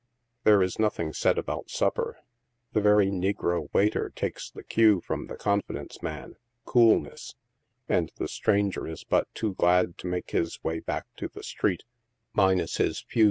There is nothing said about supper ; the very negro waiter takes the cue from the confidence man — coolness — and the stranger is but too glad to make his way back to the street, minus his few THIEVES, COUNTERFEITERS, ETC.